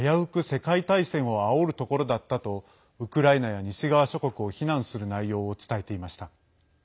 世界大戦をあおるところだったとウクライナや西側諸国を非難する内容を伝えていました。